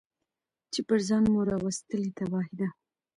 چي پر ځان مو راوستلې تباهي ده